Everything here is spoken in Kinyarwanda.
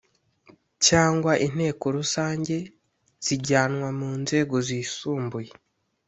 cyangwa inteko rusange zijyanwa mu nzego zisumbuye